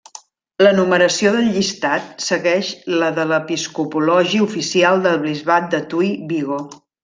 La numeració del llistat segueix la de l'episcopologi oficial del bisbat de Tui-Vigo.